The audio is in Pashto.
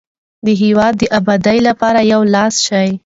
د هیواد د ابادۍ لپاره یو لاس شئ.